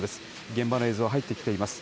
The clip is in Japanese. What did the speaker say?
現場の映像が入ってきています。